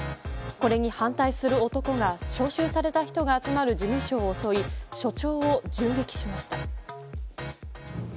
これに反対する男が招集された人が集まる事務所を襲い所長を銃撃しました。